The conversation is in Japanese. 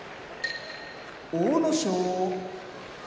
阿武咲